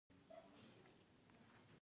افغانستان د ښارونو له پلوه یو متنوع هېواد دی.